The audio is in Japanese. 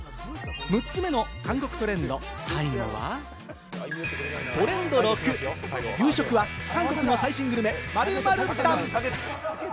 ６つ目の韓国トレンド、最後はトレンド６、夕食は韓国の最新グルメ、○○タン。